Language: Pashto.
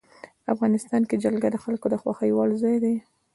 افغانستان کې جلګه د خلکو د خوښې وړ ځای دی.